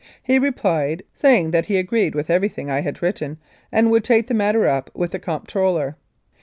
He replied saying that he agreed with everything I had written, and would take the matter up with the Comptroller.